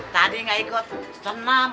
tadi gak ikut senam